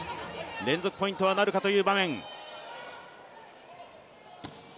連続ポイントなるかという場面。